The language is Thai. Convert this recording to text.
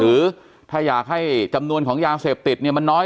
หรือถ้าอยากให้จำนวนของยาเสพติดเนี่ยมันน้อย